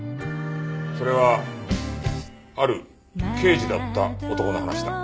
それはある刑事だった男の話だ。